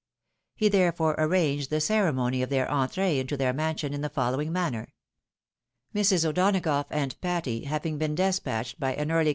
He therefore arranged the ceremony of their entree into their mansion in the following manner :— Mrs. O'Donagough and Patty having been despatched by an early A I.